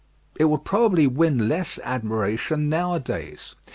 It would probably win less admiration now a days.